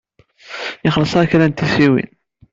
Ixelleṣ-aɣ kra n tissiwin.